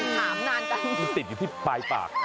มันติดอยู่ที่ปลายปาก